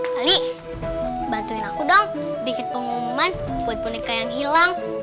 kali bantuin aku dong bikin pengumuman buat boneka yang hilang